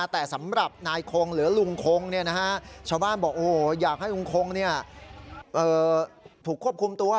แต่สำหรับนายคงหรือลุงคงชาวบ้านบอกอยากให้ลุงคงถูกควบคุมตัว